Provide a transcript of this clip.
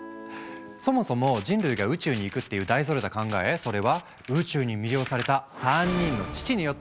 そもそも人類が宇宙に行くっていう大それた考えそれは「宇宙に魅了された３人の父」によって生まれたんです。